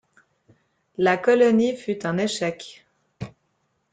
La colonie fut un échec.